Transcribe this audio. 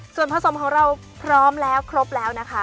ส่วนผสมของเราพร้อมแล้วครบแล้วนะคะ